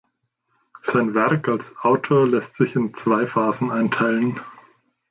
Sein Werk als Autor lässt sich in zwei Phasen einteilen.